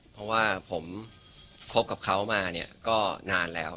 เพราะว่าผมคบกับเขามาเนี่ยก็นานแล้ว